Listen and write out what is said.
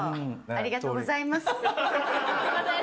ありがとうございます。